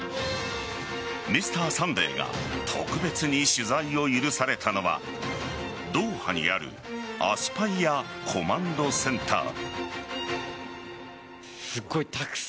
「Ｍｒ．サンデー」が特別に取材を許されたのはドーハにあるアスパイア・コマンドセンター。